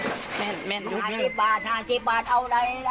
โดยเนี่ยไปแล้ว